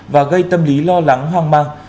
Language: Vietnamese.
và gây tâm lý lo lắng hoang mang